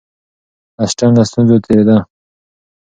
اسټن له ستونزو تېرېده.